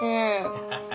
ハハハハ。